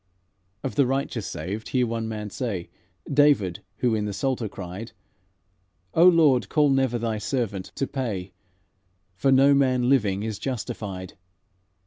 "Of the righteous saved, hear one man say David, who in the Psalter cried: 'O Lord, call never Thy servant to pay, For no man living is justified.'